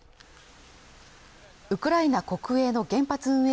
ウクライナ国営の原発運営